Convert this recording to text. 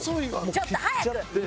ちょっと早く！